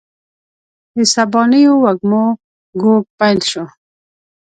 د سبانیو وږمو ږوږ پیل شو